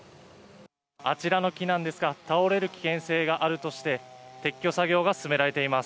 あちらの木なんですが、倒れる危険性があるとして、撤去作業が進められています。